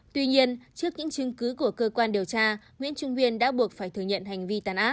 tuy nhiên trước những chứng cứ của cơ quan điều tra nguyễn trung nguyên đã buộc phải thừa nhận hành vi tàn ác